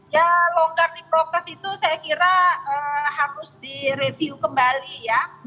ya longgar di prokes itu saya kira harus direview kembali ya